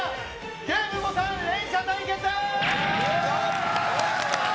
ゲームボタン連射対決。